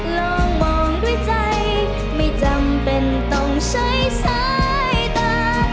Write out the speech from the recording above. ลองมองด้วยใจไม่จำเป็นต้องใช้สายตา